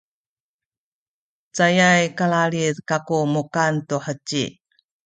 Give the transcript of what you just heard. cayay kalalid kaku mukan tu heci